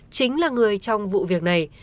chính là người trong vụ việc này